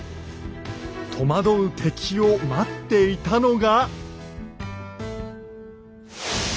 戸惑う敵を待っていたのが。